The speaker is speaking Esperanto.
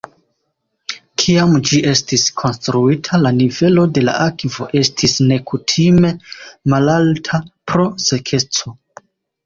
Kiam ĝi estis konstruita la nivelo de la akvo estis nekutime malalta pro sekeco.